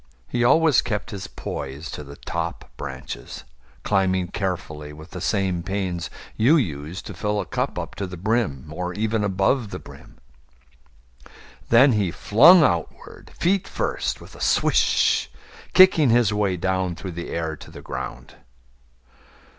He always kept his poise To the top branches, climbing carefully With the same pains you use to fill a cup Up to the brim, and even above the brim. Then he flung outward, feet first, with a swish, Kicking his way down through the air to the ground.